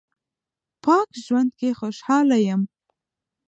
پاک ژوند کې خوشاله یم